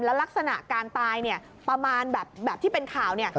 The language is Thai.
แล้วลักษณะการตายประมาณแบบที่เป็นข่าว